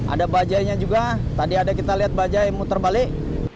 ada bajainya juga tadi ada kita lihat bajai muter balik